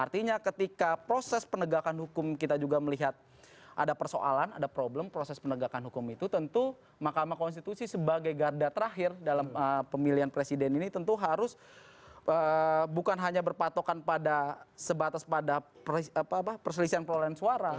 artinya ketika proses penegakan hukum kita juga melihat ada persoalan ada problem proses penegakan hukum itu tentu mahkamah konstitusi sebagai garda terakhir dalam pemilihan presiden ini tentu harus bukan hanya berpatokan pada sebatas pada perselisihan pelolahan suara